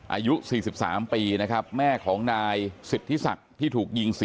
อายุ๑๐ปีนะฮะเขาบอกว่าเขาก็เห็นถูกยิงนะครับ